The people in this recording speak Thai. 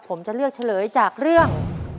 ผมจะเลือกเฉลยจากเรื่อง